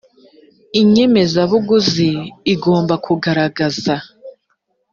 inyemezabuguzi igomba kugaragaza